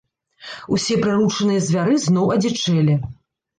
Усе прыручаныя звяры зноў адзічэлі.